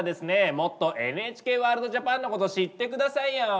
もっとＮＨＫワールドＪＡＰＡＮのこと知って下さいよ。